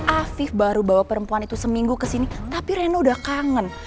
afif baru bawa perempuan itu seminggu ke sini tapi reno udah kangen